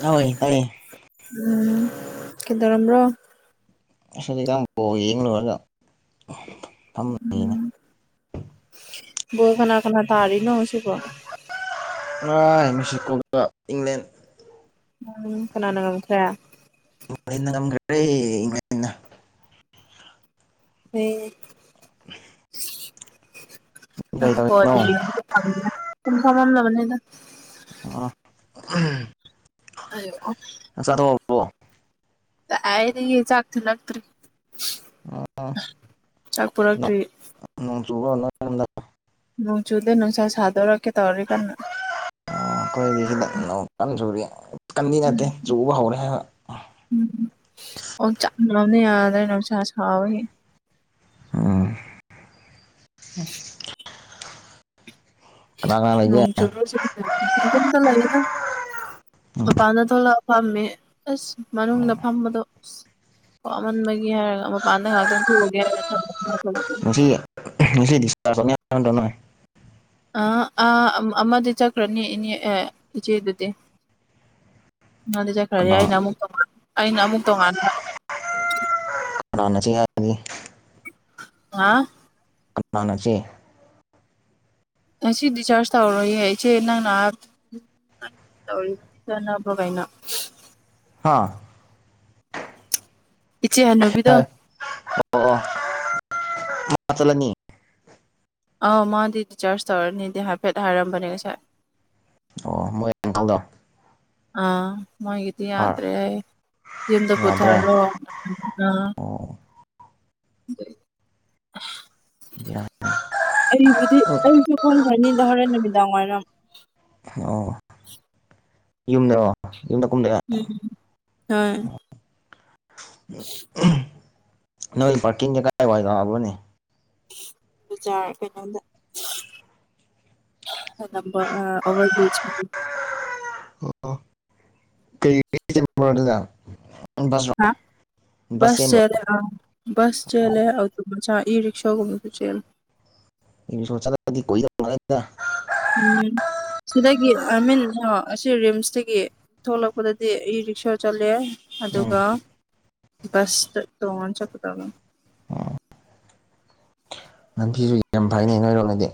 ꯅꯣꯏ ꯇꯥꯏꯌꯦ ꯎꯝ ꯀꯩꯗꯧꯔꯝꯕꯔꯣ [unintelligible] ꯂꯣꯏꯔꯒ ꯐꯝꯃꯤꯅꯦ ꯕꯣꯜ ꯀꯅꯥ ꯀꯅꯥ ꯇꯥꯔꯤꯅ‌ꯣ ꯉꯁꯤꯕ‌ꯣ ꯑꯥ ꯃꯦꯛꯁꯤꯀꯣꯒ ꯏꯪꯂꯦꯟ ꯎꯝ ꯀꯅꯥꯅ ꯉꯝꯈ꯭ꯔꯦ ꯏꯪꯂ‌ꯦꯟꯅꯅ ꯉꯝꯒꯔꯦ ꯏꯪꯂꯦꯟꯅ ꯎꯝ ꯀꯩ ꯇꯧꯔꯤꯅꯣ [unintelligible] ꯑ [unintelligible] ꯑꯣ ꯑ ꯆꯥꯊꯣꯛꯑꯕꯣ ꯗꯥꯏꯗꯒꯤ ꯆꯥꯛ ꯊꯤꯜꯂꯛꯇ꯭ꯔꯤ ꯑꯥ ꯆꯥꯛ ꯅꯣꯡ ꯄꯨꯔꯛꯇꯔꯤ [unintelligible] ꯅꯣ ꯆꯨꯗꯦ ꯅꯨꯁꯥ ꯁꯥꯗ‌ꯣꯔꯛꯀꯦ ꯇꯧꯔꯤ ꯀꯟꯅ ꯑꯩꯈꯣꯏꯔ‌ꯣꯝꯗꯤ ꯅ‌ꯣꯡ ꯀꯟ ꯆꯨꯔꯤ ꯀꯟꯗꯤ ꯅꯠꯇꯦ ꯆꯨꯕ ꯍꯧꯔꯦ ꯍꯥꯏꯕ ꯑꯣꯝꯆꯥꯛꯅꯕꯅ ꯌꯥꯗꯔ‌ꯦ ꯅꯨꯡꯁꯥ ꯁꯥꯕꯒꯤ ꯍ ꯂꯩꯒꯦ ꯔꯣꯡ ꯆꯨꯔꯁꯨ [unintelligible] ꯇꯣꯝꯇ ꯂꯩꯌꯦꯗ ꯎꯝ ꯃꯄꯥꯟꯗ ꯊꯣꯂꯛ ꯐꯝꯃꯦ ꯑꯁ ꯃꯅꯨꯡꯗ ꯐꯝꯕꯗꯣ ꯑꯁ ꯋꯥꯃꯟꯕꯒꯤ ꯍꯥꯏꯔꯒ ꯃꯄꯥꯟꯗ ꯉꯥꯏꯍꯥꯛꯇꯪ ꯊꯣꯛꯒꯦ ꯍꯥꯏꯔꯒ ꯊꯝ ꯉꯁꯤ ꯉꯁꯤꯗꯤ ꯆꯥꯁ ꯇꯧꯅꯤ ꯍꯥꯏꯔꯝꯗ꯭ꯔ‌ꯣ ꯅ‌ꯣꯏ ꯑ ꯑ ꯑꯃꯗꯤ ꯆꯠꯈ꯭ꯔꯅꯤ ꯏꯅꯦ ꯏꯆꯦꯗꯨꯗꯤ ꯑꯗꯨ ꯆꯠꯈ꯭ꯔꯗꯤ ꯀꯅꯥ ꯑꯩꯅ ꯑꯃꯨꯛꯉꯥꯟ ꯑꯩꯅ ꯑꯃꯨꯛ ꯇꯣꯉꯥꯟꯕ [unintelligible] ꯑ [unintelligible] ꯃꯥꯟꯅꯁꯦ ꯉꯁꯤ ꯗꯤꯆꯥꯔꯖ ꯇꯧꯔꯔꯣꯏꯌꯦ ꯏꯆꯦ ꯅꯪ ꯅ [unintelligible] ꯀꯩꯅ‌ꯣ ꯍꯥꯥ ꯏꯆꯦ ꯍꯥꯏ ꯅꯨꯕꯤꯗ ꯑꯣ ꯑꯣ ꯃꯥ ꯆꯠꯂꯅꯤ ꯑꯧ ꯃꯥꯗꯤ ꯗꯤꯆꯥꯔꯖ ꯇꯧꯔꯅꯤꯗꯤ ꯍꯥꯏꯐꯦꯠ ꯍꯥꯏꯔꯝꯕꯅꯦ ꯉꯁꯥꯏ ꯑꯣ ꯃꯣꯏꯪꯀꯗꯣ ꯑꯥ ꯃꯣꯏꯒꯤꯗꯤ ꯌꯥꯗ꯭ꯔꯦ ꯑꯩ ꯌꯨꯝꯗ ꯌꯥꯗ꯭ꯔꯦ ꯄꯨꯊꯔꯣ ꯑ [inaudible] ꯑꯣ ꯕꯦꯔꯥ ꯑꯩꯕꯨꯗꯤ ꯑꯩꯁꯨ ꯀꯨꯝꯈ꯭ꯔꯅꯤꯗ ꯍꯣꯔꯦꯟ ꯅꯨꯃꯤꯗꯥꯡ ꯋꯥꯏꯔꯝ ꯑꯣ ꯌꯨꯝꯗ ꯀꯨꯝꯗ ꯎꯝ ꯍꯣꯏ ꯅ ꯄꯔꯀꯤꯡ ꯀꯥꯏ ꯋꯥꯕꯅꯦ ꯖꯥ ꯀꯩꯅꯣꯗ ꯝꯕ ꯑꯣꯕꯔꯕ꯭ꯔꯤꯖ ꯑꯣ ꯀꯩ ꯆ ꯑꯁ ꯆꯂꯦꯁ ꯆꯦꯂꯦ ꯆꯥ ꯏ ꯔꯔꯤꯁꯥꯒꯃꯤ ꯄꯨꯆ ꯏ ꯁꯣꯗꯤꯗ ꯎꯝ ꯁꯤꯗꯒꯤ ꯑꯥꯏ ꯃꯤꯟ ꯑꯁꯤ ꯔꯤꯝꯁꯇꯒꯤ ꯊꯣꯛꯂꯛꯄꯗꯗꯤ ꯑꯩ ꯔꯤꯛꯁꯥ ꯆꯠꯂꯦ ꯎꯝ ꯑꯗꯨꯒ ꯕꯁ ꯇꯣꯡꯉꯟ ꯆꯠꯠꯇ ꯇꯧꯅꯤ ꯅꯝꯐꯤꯁꯨ ꯌꯥꯝ ꯐꯩꯅꯦ ꯅꯣꯏꯔꯣꯛꯅꯗꯤ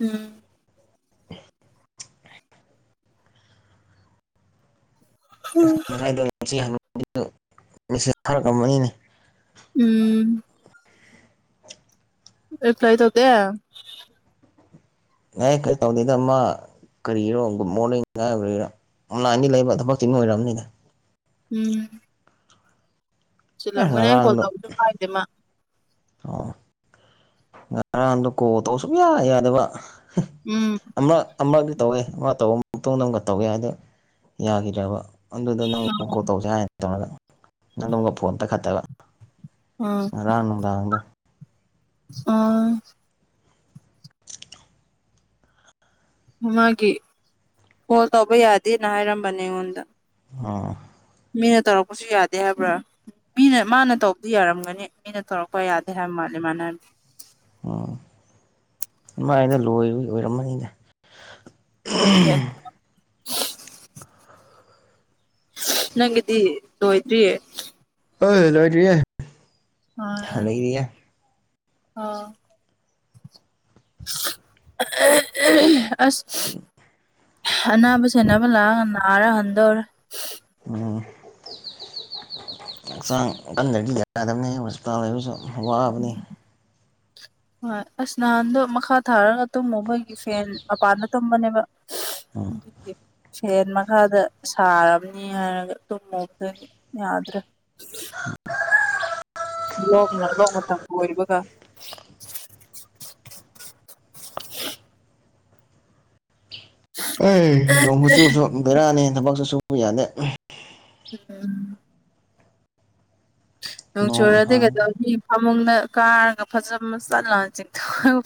ꯎꯝ ꯉꯁꯥꯏꯗ ꯐꯔꯛꯑ ꯑꯃꯅꯤꯅꯤꯅꯦ ꯎꯝ ꯑꯩ ꯐ꯭ꯂꯥꯏ ꯇꯧꯇ ꯅ ꯀꯩ ꯇꯧꯅꯤꯗꯃ ꯀꯔꯤꯔꯣ ꯒꯨꯗ ꯃꯣꯔꯅꯤꯡ ꯉꯥꯏꯕꯔ ꯑꯣꯂꯥꯏꯟꯗꯤ ꯂꯩꯕ ꯊꯕꯛꯁꯤ ꯅ ꯑꯣꯏꯔꯕꯅꯤꯗ ꯎꯝ ꯑꯦ ꯁꯤꯂꯝꯒ ꯉꯔꯥꯡꯗꯣ ꯀꯣꯗ ꯐꯥꯏꯗꯦ ꯃꯥ ꯑꯣ ꯉꯔꯥꯟꯗꯣ ꯀꯣ ꯇꯧ ꯁꯨꯝ ꯌꯥ ꯌꯥꯗꯕ ꯎꯝ ꯑꯃꯛ ꯑꯃꯛꯇ ꯇꯧꯋꯦ ꯃꯥ ꯇꯧ ꯑꯃꯨꯛꯇ ꯅꯪꯒ ꯇꯧꯒꯦ ꯑꯗ ꯌꯥꯈꯤꯗ꯭ꯔꯕ ꯑꯗꯨꯗꯣ ꯅꯪ ꯀꯣꯜ ꯇꯧꯁꯦ ꯍꯥꯏꯅꯤ ꯇꯧꯒ ꯅꯪꯗꯣꯝꯒ ꯐꯣꯟ ꯇꯛꯈꯠꯇꯕ ꯉꯔꯥꯡ ꯅꯨꯡꯗꯥꯡꯗꯣ ꯑ ꯃꯥꯒꯤ ꯀꯣꯜ ꯇꯧꯕ ꯌꯥꯗꯦꯅ ꯍꯥꯏꯔꯝꯕꯅꯦ ꯑꯩꯉꯣꯟꯗ ꯑꯥ ꯃꯤꯅ ꯇꯧꯔꯛꯄꯁꯨ ꯌꯥꯗꯦ ꯍꯥꯏꯕ꯭ꯔꯥ ꯃꯤꯅ ꯃꯥꯅ ꯇꯧꯕꯗꯨ ꯌꯥꯔꯝꯒꯅꯤ ꯃꯤꯅ ꯇꯧꯔꯛꯄ ꯌꯥꯗꯦ ꯍꯥꯏꯕ ꯃꯥꯜꯂ ꯃꯥꯅ ꯍꯥꯏꯕꯗꯤ ꯎꯝ ꯏꯃꯥꯏꯗ ꯂꯣꯏ ꯑꯣꯏꯔꯝꯃꯅꯤꯅꯦ ꯊꯝ ꯌꯥ ꯅꯪꯒꯤꯗꯤ ꯂꯣꯏꯗ꯭ꯔꯤꯌꯦ ꯑ ꯂꯣꯏꯗ꯭ꯔꯤꯌꯦ ꯑ ꯂꯩꯔꯤꯌꯦ ꯑ ꯑ ꯑꯁ ꯑꯅꯥꯕ ꯁꯦꯕ ꯂꯥꯛꯑꯒ ꯅꯥꯔ ꯍꯟꯗꯧꯔ ꯎꯝ ꯍꯛꯆꯥꯡ ꯀꯟꯗꯗꯤ ꯌꯥꯗꯕꯅꯦ ꯇꯕꯁꯨ ꯋꯥꯕꯅꯤ ꯍꯣꯏ ꯑꯁ ꯅꯍꯥꯟꯗꯣ ꯃꯈꯥ ꯊꯥꯔꯒ ꯇꯨꯝꯃꯨ ꯃꯣꯏꯒꯤ ꯐꯦꯟ ꯃꯄꯥꯟꯗ ꯇꯨꯝꯕꯅꯦꯕ ꯎꯝ [unintelligible] ꯁꯦꯟ ꯃꯈꯥꯗ ꯁꯥꯔꯅꯤ ꯍꯥꯏꯔꯒ ꯇꯨꯝꯃꯣꯛꯛꯇꯗꯤ ꯌꯥꯗ꯭ꯔꯦ ꯂꯣꯛ ꯂꯣꯛ ꯃꯇꯝ ꯀ ꯑꯣꯏꯔꯤꯕꯒ [inaudible] ꯎ ꯅꯣꯡꯕ ꯆꯨꯁꯨ ꯕꯩꯔꯛꯑꯅꯤ ꯊꯕꯛꯁꯨ ꯁꯨꯕ ꯌꯥꯅꯤ ꯍ ꯅꯣꯡ ꯅꯣꯡꯆꯨꯔꯗꯤ ꯍꯥꯡꯉꯗꯤ ꯀꯩꯗꯧꯅꯤ ꯐꯃꯨꯡꯗ ꯀꯥꯔꯒ ꯐꯖꯕ ꯆꯠꯂ ꯆꯤꯡ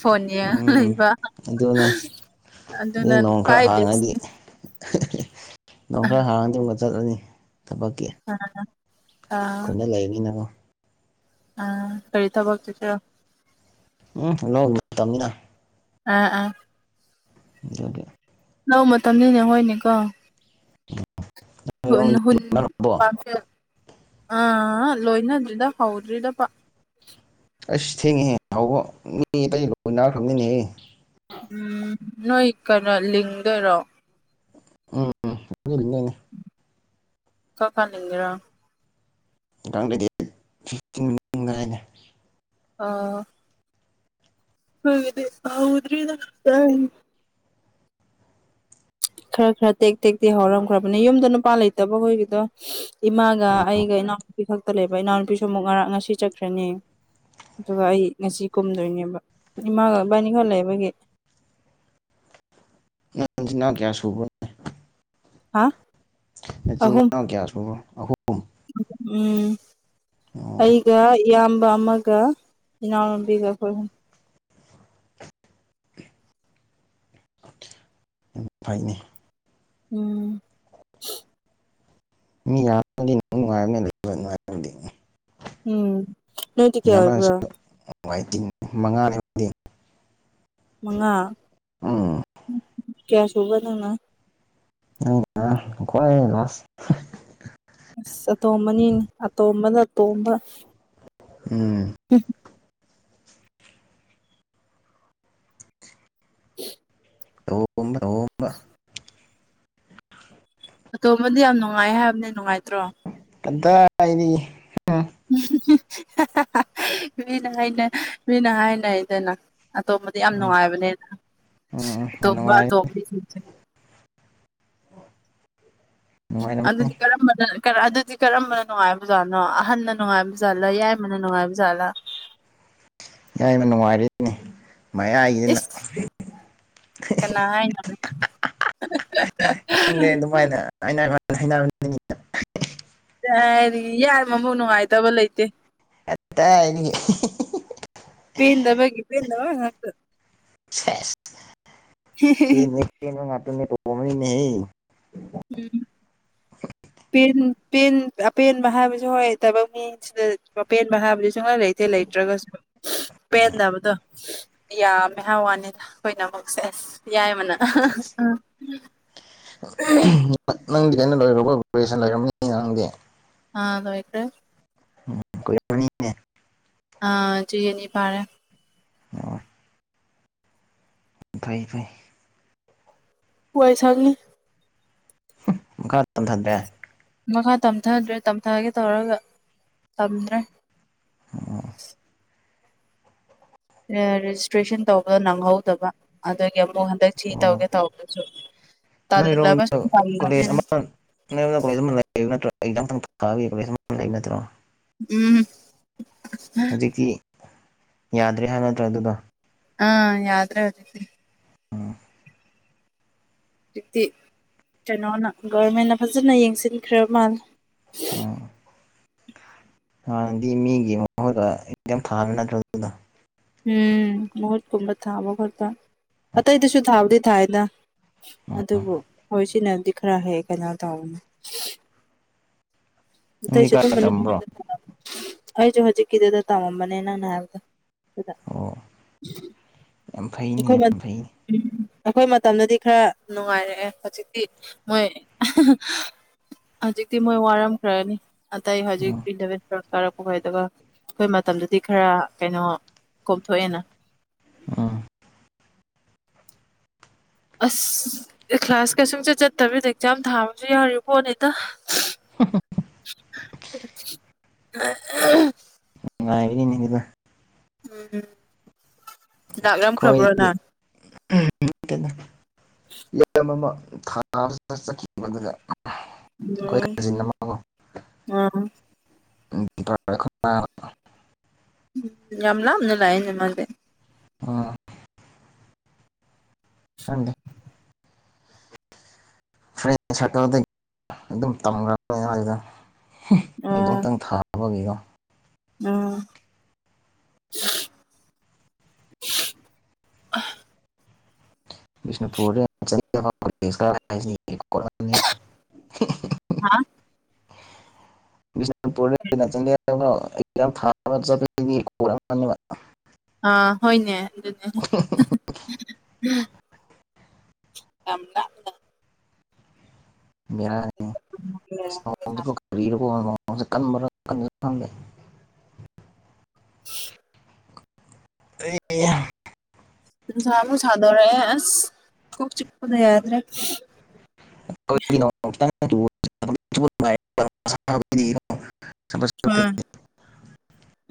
ꯐꯣꯟꯅꯤ ꯎꯝ ꯂꯩꯕ ꯑꯗꯨꯅꯤ ꯑꯗꯨ ꯑꯗꯨ ꯑꯗꯩ ꯅꯥꯟ ꯅꯣꯡ ꯈꯔ ꯍꯥꯡꯉꯗꯤ ꯀꯥꯏ ꯦꯁ ꯅꯣꯡ ꯈꯔ ꯍꯥꯡꯔꯗꯅ ꯆꯠꯂꯅꯤ ꯊꯕꯛꯀꯤ ꯈꯨꯣꯏꯅ ꯂꯩꯔꯅꯤꯅꯕꯣ ꯑ ꯀꯔꯤ ꯊꯕ ꯇꯁꯨ ꯎꯝ ꯅꯣꯡꯅꯨꯡ ꯇꯃꯤꯅ ꯑꯥ ꯑꯥ ꯌꯒꯦ ꯂꯧ ꯃꯇꯝꯅꯤꯅꯦ ꯍꯣꯏꯅꯦꯀꯣ ꯍ ꯅꯣꯏꯔꯣꯝꯗꯤ ꯍꯨꯟ ꯂꯣꯛꯅꯔꯕꯣ ꯄ ꯑꯥ ꯂꯣꯏꯅꯗ꯭ꯔꯤꯗ ꯍꯧꯗ꯭ꯔꯤꯗ ꯄ ꯑꯩꯁ ꯊꯦꯡꯉꯦꯦ ꯍꯥꯎꯕ ꯃꯤ ꯑꯇꯩ ꯂ ꯅꯥꯔꯛꯈ꯭ꯔꯕꯅꯤꯅꯦꯍꯦ ꯎꯝ ꯅꯣꯏ ꯀꯅꯥ ꯂꯤꯡꯗꯔꯣ ꯎꯝ ꯀ ꯀꯥ ꯂꯩꯒ꯭ꯔꯥ ꯀꯥꯡ ꯂꯩꯗꯤ ꯑꯩ ꯐꯤꯇꯤꯟꯥꯏꯅꯦ ꯑꯥ ꯍꯗꯤꯦ ꯍꯎꯗ꯭ꯔꯔꯤꯗ ꯈꯔ ꯈꯔ ꯇꯦꯛ ꯇꯦꯛ ꯇꯦꯛ ꯍꯧꯔꯝꯈ꯭ꯔꯕꯅꯦ ꯌꯨꯝꯗ ꯅꯨꯄꯥ ꯂꯩꯇꯕꯈꯣꯏꯒꯤꯗꯣ ꯏꯃꯥꯒ ꯎꯝ ꯑꯩꯒ ꯏꯅꯥꯎꯅꯨꯄꯤ ꯈꯛꯇ ꯂꯩꯕ ꯏꯅꯥꯎꯅꯨꯄꯤꯁꯨ ꯑꯃꯨꯛ ꯉꯔꯥꯡ ꯉꯁꯤ ꯆꯠꯈ꯭ꯔꯅꯤ ꯑꯗꯨꯒ ꯑꯩ ꯉꯁꯤ ꯀꯨꯝꯗꯣꯏꯅꯦꯕ ꯏꯃꯥꯒꯕꯥꯅꯤꯈ ꯂꯩꯕꯒꯤ [inaudible] ꯅ ꯀꯌꯥ ꯁꯨꯕꯅꯦ ꯍꯥ ꯑꯍꯨꯝ ꯅꯆꯤꯟꯅꯥꯎ ꯌꯥꯁꯄꯕꯣ ꯑꯍꯨꯝ ꯎꯝ ꯑꯣ ꯑꯩꯒ ꯌꯥꯝ ꯃꯒ ꯌꯥꯝꯎ ꯃꯕꯤꯒ ꯀꯣꯏ ꯌꯥꯝ ꯊꯅꯤ ꯎꯝ ꯃꯤ ꯌꯥ ꯎꯝ ꯅꯣꯏ ꯇ ꯀꯦ ꯑꯣꯏꯕ꯭ꯔꯥ ꯃꯥꯏ ꯇꯤꯟꯅꯤ ꯃꯉꯥꯅꯤ ꯑꯃꯗꯤꯗꯤ ꯃꯉꯥ ꯀꯌꯥ ꯁꯨꯕ ꯅꯪꯅ ꯀꯋꯥ ꯂꯥꯁ ꯑꯁ ꯑꯇꯣꯝꯕꯅꯤꯅꯦ ꯑꯇꯣꯝꯕꯅꯇꯣꯝꯕ ꯎꯝ [inaudible] ꯇꯝꯕ ꯇꯣꯝꯕ ꯑꯇꯣꯝꯕꯗꯤ ꯌꯥꯝ ꯅꯨꯡꯉꯥꯏ ꯍꯥꯏꯕꯅꯤ ꯅꯨꯡꯉꯥꯏꯇ꯭ꯔꯣ ꯑꯗꯨꯗꯥꯏꯔꯤ ꯎꯝ ꯃꯤꯅ ꯍꯥꯏꯅ ꯃꯤꯅ ꯍꯥꯏꯅꯗꯅ ꯑꯇꯣꯝꯕꯗꯤ ꯌꯥꯝ ꯎꯝ ꯅꯨꯡꯉꯥꯏꯕꯅꯦꯅ ꯎꯝ ꯎꯝ ꯌꯥꯝ ꯑꯇꯣꯞꯄ ꯅꯨꯡꯉꯥꯏꯔꯦ ꯑꯇꯣꯗꯤ ꯊꯁꯦ ꯅꯨꯡꯉꯥꯏꯔꯝꯃꯅꯤ ꯑꯗꯨꯗꯤ ꯀꯔꯝꯕꯅ ꯑꯗꯨꯗꯤ ꯀꯔꯝꯕꯅ ꯅꯨꯡꯉꯥꯏꯕꯖꯥꯠꯅꯣ ꯑꯍꯟꯅ ꯅꯨꯡꯉꯥꯏꯕ ꯖꯥꯠꯂꯥ ꯌꯥꯏꯕꯅ ꯅꯨꯡꯉꯥꯏꯕ ꯖꯥꯠꯂꯥ [inaudible] ꯏꯏꯅ ꯅꯨꯡꯉꯥꯏꯔꯤꯅꯦ ꯃꯌꯥꯏꯒꯤꯁꯤꯅ ꯏꯁ ꯀꯅꯥ [inaudible] ꯈꯪꯗꯦ ꯑꯗꯨꯃꯥꯏꯅ ꯑꯃ ꯍꯥꯏ ꯌꯥꯔꯤ ꯌꯥꯏ ꯃꯕꯨ ꯅꯨꯡꯉꯥꯏꯇꯕ ꯂꯩꯇꯦ ꯑꯦꯠꯇ ꯏꯅꯤ ꯄꯤꯗꯕꯒꯤ ꯄꯤꯗ ꯀ ꯀꯩꯅꯣ ꯉꯅꯥꯇꯅ ꯀꯝ ꯅ ꯎꯝ ꯑꯦꯟ ꯑꯄꯦꯟꯕ ꯍꯥꯏꯕꯁꯨ ꯍꯣꯏ ꯊꯕꯛ ꯃꯤꯁꯤꯗ ꯑꯄꯦꯟꯕ ꯍꯥꯏꯕꯗꯤ ꯁꯨꯡꯍꯥꯏ ꯂꯩꯇꯦ ꯂꯩꯇ꯭ꯔꯒꯁꯨ ꯄꯦꯟꯗꯕꯗꯣ ꯌꯥꯝꯃꯦ ꯍꯥꯏ ꯋꯥꯅꯤꯅ ꯑꯩꯈꯣꯏꯅꯃꯛꯁꯦ ꯑꯁ ꯌꯥꯏꯕꯅ ꯑ ꯅꯪꯗꯤ ꯀꯩꯅ ꯂꯣꯏ ꯁꯟ ꯂꯩꯔꯕꯝꯅꯤ ꯅꯪꯗꯤ ꯑꯥ ꯑꯗꯣ ꯑꯩꯇ꯭ꯔꯦ ꯎꯝ ꯀ ꯀꯅꯤꯅꯦ ꯑꯥ ꯇ ꯌꯦꯅꯤ ꯄꯥꯔꯦ ꯑ ꯐꯩ ꯐꯩ ꯋꯥꯏꯁꯒꯅꯤ ꯃꯈꯥ ꯇꯟꯊꯗ꯭ꯔꯦ ꯃꯈꯥ ꯇꯝꯊꯗ꯭ꯔꯦ ꯇꯝꯊꯒꯦ ꯇꯧꯔꯒ ꯇꯝꯗ꯭ꯔꯦ ꯑꯣ ꯔꯦꯖꯤꯁꯇ꯭ꯔꯦꯁꯟ ꯇꯧꯕꯗꯣ ꯅꯪꯍꯧꯗꯕ ꯑꯗꯒꯤ ꯑꯃꯨꯛ ꯍꯟꯗꯛ ꯊꯤ ꯑꯣ ꯇꯧꯒꯦ ꯇꯧꯕꯗꯁꯨ ꯇꯜꯂꯕ ꯅꯣꯏꯔꯣꯝꯗ ꯁꯨꯝ ꯀꯣꯂꯦꯖ ꯇꯜꯂꯕꯅꯤꯅ ꯑꯃ ꯅꯔꯣꯝꯗ ꯀꯣꯂꯦꯖ ꯑꯃ ꯂꯩꯌꯦꯕ ꯅꯠꯇ꯭ꯔꯥ ꯠꯇ꯭ꯔꯣ ꯎꯝ ꯍꯧꯖꯤꯛꯇꯤ ꯌꯥꯗ꯭ꯔꯦ ꯍꯥꯏ ꯅꯠꯇ꯭ꯔꯦ ꯑꯗꯨꯗꯣ ꯑꯥ ꯌꯥꯗ꯭ꯔꯦ ꯑꯣꯏꯗꯛꯇꯔꯤ ꯑ ꯍꯧꯖꯤꯛꯇꯤ ꯀꯩꯅꯣꯅ ꯒꯚꯔꯃꯦꯟꯅ ꯐꯖꯅ ꯌꯦꯡꯁꯤꯟꯈ꯭ꯔꯕ ꯃꯥꯜꯂꯦ ꯑ ꯍꯥꯟꯗꯤ ꯃꯤꯒꯤ ꯃꯈꯣꯏꯗ ꯑꯦꯝ ꯊꯥꯕ ꯅꯠꯇ꯭ꯔꯣ ꯑꯗꯨꯗ ꯎꯝ ꯃꯍꯨꯠꯀꯨꯝꯕ ꯊꯥꯕ ꯈꯣꯠꯄ ꯑꯇꯩꯗꯁꯨ ꯊꯥꯕꯨꯗꯤ ꯊꯥꯏꯅ ꯎꯝ ꯑꯗꯨꯕꯨ ꯍꯣꯏ ꯁꯤꯅꯗꯤ ꯈꯔ ꯍꯦꯛ ꯀꯩꯅꯣ ꯇꯧꯅꯤ ꯅꯤꯀ ꯆꯝꯕ꯭ꯔꯣꯝ ꯃꯅꯨꯡꯗ ꯑꯩꯁꯨ ꯍꯧꯖꯤꯛꯀꯤꯗꯨꯗ ꯇꯝꯃꯝꯕꯅꯦ ꯅꯪ ꯅ ꯍꯥꯏꯕꯗ ꯑꯗꯨꯗ ꯑꯣ ꯌꯥꯝ ꯐꯩꯅꯦ ꯈꯣꯏ ꯌꯥꯝ ꯐꯩꯅꯦ ꯑꯩꯈꯣꯏ ꯃꯇꯝꯗꯗꯤ ꯈꯔ ꯅꯨꯡꯉꯥꯏꯔꯛꯑꯦ ꯍꯧꯖꯤꯛꯇꯤ ꯃꯣꯏ ꯍꯧꯖꯤꯛꯇꯤ ꯃꯣꯏ ꯋꯥꯔꯝꯈ꯭ꯔꯅꯤ ꯑꯇꯩ ꯍꯧꯖꯤꯛ ꯎꯝ ꯏꯂꯚꯦꯟ ꯀꯥꯔꯛꯄ ꯈ ꯑꯗꯨꯒ ꯑꯩꯈꯣꯏ ꯃꯇꯝꯗꯨꯗꯤ ꯈꯔ ꯀꯩꯅꯣ ꯀꯣꯝꯊꯣꯛꯑꯦꯅ ꯑꯥ ꯑꯁ ꯀ꯭ꯂꯥꯁ ꯀꯩꯁꯨꯡꯁꯠ ꯆꯠꯇꯕꯤꯗ ꯑꯦꯛꯖꯥꯝ ꯊꯥꯕꯁꯨ ꯌꯥꯎꯔꯤ ꯄꯣꯠꯅꯤꯗ [inaudible] ꯑ ꯉꯥꯏꯅꯤꯍꯦ ꯚꯥꯏ ꯎꯝ ꯂꯥꯛꯔꯝꯈ꯭ꯔꯕ꯭ꯔꯣꯅꯪ ꯃꯌꯥꯝ ꯑꯃ ꯊꯥ ꯆꯠꯈꯤꯕ ꯑꯗꯨꯅ ꯑꯩꯈꯣꯏ ꯀꯖꯤꯟ ꯑꯃ ꯀꯣ ꯑꯣ [unintelligible] ꯌꯥꯝ ꯂꯥꯞꯅ ꯂꯛꯑꯦꯅꯦ ꯃꯗꯤ ꯑꯥ ꯈꯪꯗꯦ ꯐ꯭ꯔꯦꯟ ꯁꯥꯔꯀꯜꯗꯒꯤ ꯑꯗꯨꯝ ꯇꯝꯈ꯭ꯔꯕꯅꯦ ꯃꯒꯤꯗꯣ ꯑꯩꯗꯣ ꯑꯣ ꯑꯃꯇꯪ ꯊꯥꯕꯒꯤꯀꯣ ꯎꯝ [unintelligible] ꯕꯤꯁꯅꯨꯄꯨꯔ ꯆꯍꯤ [unintelligible] [unintelligible] ꯍꯥ ꯕꯤꯁꯅꯨꯄꯨꯔ ꯊꯥ [unintelligible] ꯑꯥ ꯍꯣꯏꯅꯦ ꯑꯗꯨꯅꯦ ꯌꯥꯝ ꯕꯦꯔꯥꯅꯦ [unintelligible] ꯁꯧꯁꯦ ꯀꯟꯕ ꯀꯟꯗꯕ ꯈꯪꯗꯦ [unintelligible] ꯑꯩ ꯍꯥ ꯅꯨꯡꯁꯥꯃꯨꯛ ꯁꯥꯗꯣꯔꯛꯑꯦ ꯑꯁ ꯀꯣꯛ ꯆꯤꯛꯄꯗ ꯌꯥꯗ꯭ꯔꯦ [unintelligible] ꯍꯥꯝ ꯆꯠꯄꯗꯒꯤ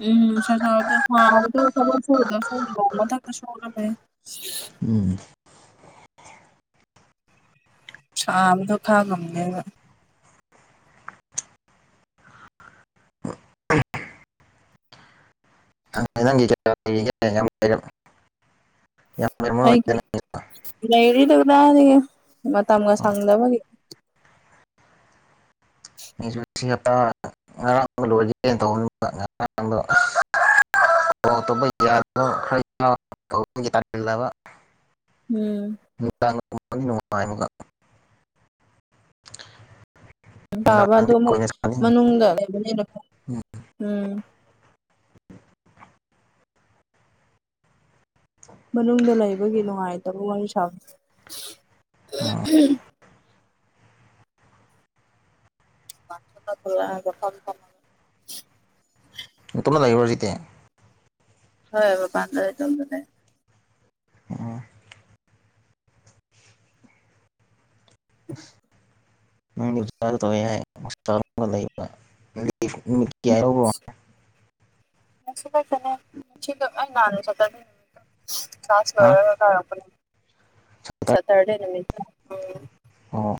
ꯎꯝ ꯅꯨꯡꯁꯥ ꯁꯗ ꯁꯣꯗ [unintelligible] ꯎꯝ ꯁꯥꯕꯗꯣ ꯈꯥꯡꯕ ꯉꯝꯗꯦꯕ [unintelligible] ꯂꯩꯔꯝꯃꯔꯣꯏꯗ ꯑꯩꯒꯤ ꯅꯪꯒꯤꯁꯨ ꯂꯩꯔꯤꯗꯨꯗꯗꯤ ꯃꯇꯝꯒ ꯍꯣꯏ ꯁꯪꯗꯕꯒꯤ ꯑꯩꯁꯨ ꯁꯤ ꯍꯞꯇꯥ ꯉꯔꯥꯡꯗ ꯂꯣꯏꯒꯦꯅ ꯇꯧꯕꯅꯤꯡ ꯉꯔꯥꯡꯗ [inaudible] [unintelligible] ꯎꯝ ꯅꯨꯡꯗꯥꯡꯒꯨꯝꯕꯗꯤ ꯅꯨꯡꯉꯥꯏ ꯑꯃꯒ ꯄꯥꯕ ꯑꯗꯨ ꯑꯃꯨꯛ ꯃꯅꯨꯡꯗ ꯂꯩꯕꯅꯤꯅ ꯎꯝ ꯎꯝ ꯃꯅꯨꯡꯗ ꯂꯩꯕꯒꯤ ꯅꯨꯡꯉꯥꯏꯇꯕ ꯋꯥꯔꯤ ꯁꯥꯕ ꯎꯝ ꯃꯄꯥꯟ ꯊꯣꯛꯂ ꯊꯣꯛꯐꯝ ꯅꯇꯣꯝꯗ ꯂꯩꯗꯔꯣ ꯍꯧꯖꯤꯛꯇꯤ ꯍꯣꯏ ꯃꯄꯥꯟꯗ ꯏꯇꯣꯝꯗ ꯂꯩ ꯎꯝ ꯅꯪꯒꯤꯥꯒ ꯇꯧꯕ ꯌꯥꯏ ꯂꯩꯕ [unintelligible] [unintelligible] ꯍꯥ ꯁꯥꯥꯁꯒꯔꯒ ꯀ ꯁꯦꯇꯔꯗꯦ ꯁꯇꯔꯗꯦ ꯅꯨꯃꯤꯠ ꯎꯝ ꯑꯣ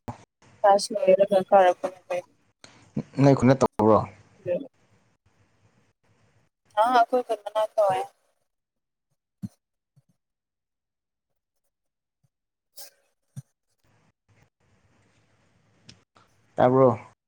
ꯀꯥꯂꯁ ꯂꯣꯏꯔꯒ ꯀꯔꯛꯄ ꯅꯣꯏ ꯈꯨꯟꯗ ꯇ꯭ꯧꯕꯔꯣ [unintelligible] ꯍꯥꯥ ꯑꯩꯈꯣꯏ ꯈꯨꯟ ꯃꯅꯥꯛꯇ ꯇꯧꯋꯦ [inaudible] ꯇꯥꯔꯕꯣ